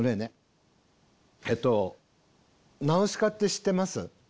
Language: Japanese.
えっと「ナウシカ」って知ってます？